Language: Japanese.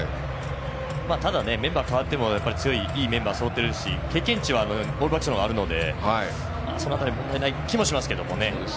ただ、メンバーが代わってもいいメンバーがそろっていますし経験値はオールブラックスの方があるのでその辺り、問題ない気もしますが。